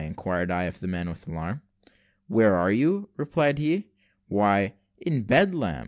inquired I of the man, with alarm. "Where are you?" replied he; "why, in Bedlam!"